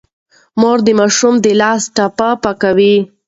مور د ماشوم د لاس ټپ پاکوي.